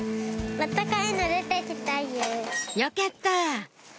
よかった！